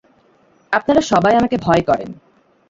আপনারা সবাই আমাকে ভয় করেন।